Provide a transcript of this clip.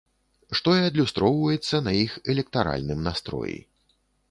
Што і адлюстроўваецца на іх электаральным настроі.